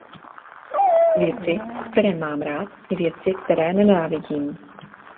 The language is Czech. Věci, které mám rád, i věci, které nenávidím.